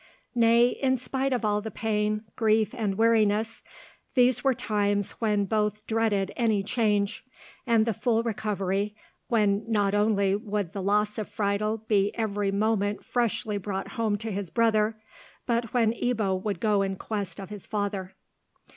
Nay, in spite of all the pain, grief, and weariness, these were times when both dreaded any change, and the full recovery, when not only would the loss of Friedel be every moment freshly brought home to his brother, but when Ebbo would go in quest of his father.